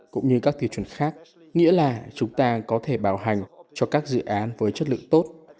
cũng như các tiêu chuẩn khác nghĩa là chúng ta có thể bảo hành cho các dự án với chất lượng tốt